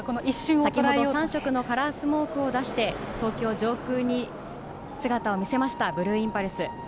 先ほど３色のカラースモークを出して、東京上空に姿を見せました、ブルーインパルス。